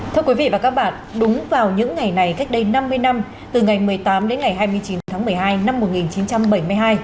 thưa quý vị và các bạn đúng vào những ngày này cách đây năm mươi năm từ ngày một mươi tám đến ngày hai mươi chín tháng một mươi hai năm một nghìn chín trăm bảy mươi hai